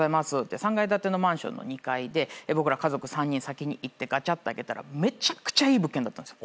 ３階建てのマンションの２階で僕ら家族３人先に行ってガチャッて開けたらめちゃくちゃいい物件だったんですよ。